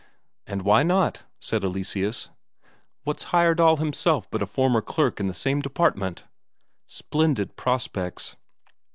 "And why not?" said Eleseus. "What's Heyerdahl himself but a former clerk in the same department?" Splendid prospects.